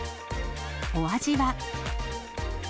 お味は？